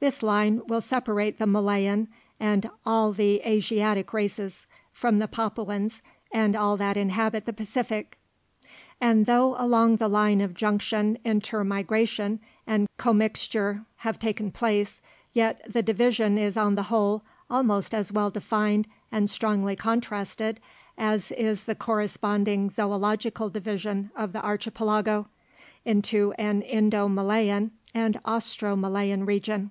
This line will separate the Malayan and all the Asiatic races, from the Papuans and all that inhabit the Pacific; and though along the line of junction intermigration and commixture have taken place, yet the division is on the whole almost as well defined and strongly contrasted, as is the corresponding zoological division of the Archipelago, into an Indo Malayan and Austro Malayan region.